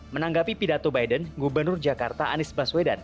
menanggapi pidato biden gubernur jakarta anies baswedan